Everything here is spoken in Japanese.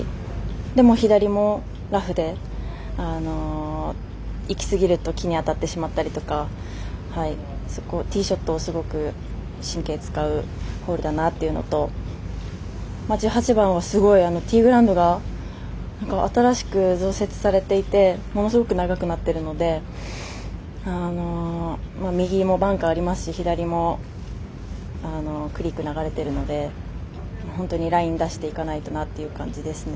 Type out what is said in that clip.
でも、左もラフでいきすぎると木に当たってしまったりとかティーショットをすごく神経使うホールだなというのと１８番はすごいティーグラウンドが新しく増設されていてものすごく長くなってるので右もバンカーありますし左もクリーク流れてるので本当にライン出していかないとなっていう感じですね。